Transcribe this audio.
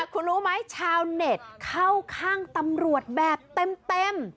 คุณรู้ไหมชาวเน็ตเข้าข้างตำรวจแบบเต็ม